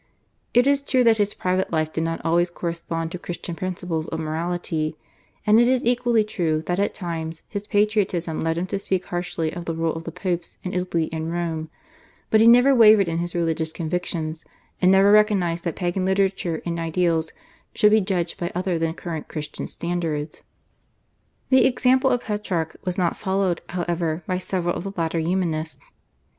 It is true that his private life did not always correspond to Christian principles of morality, and it is equally true that at times his patriotism led him to speak harshly of the rule of the Popes in Italy and Rome; but he never wavered in his religious convictions, and never recognised that Pagan literature and ideals should be judged by other than current Christian standards. The example of Petrarch was not followed, however, by several of the later Humanists.